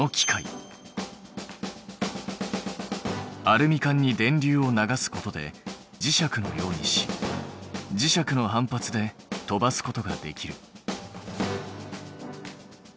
アルミ缶に電流を流すことで磁石のようにし磁石の反発で飛ばすことができる。